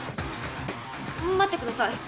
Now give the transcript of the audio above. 待ってください。